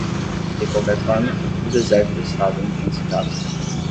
De qualquer forma, o deserto estava intransitável.